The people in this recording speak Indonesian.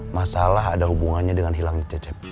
masalah ada hubungannya dengan hilangnya cecep